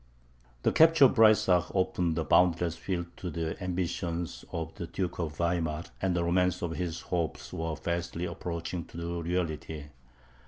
The capture of Breysach opened a boundless field to the ambition of the Duke of Weimar, and the romance of his hopes was fast approaching to reality.